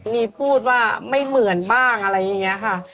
มีพูดว่าไม่เหมือนบ้างอะไรอย่างนี้ค่ะ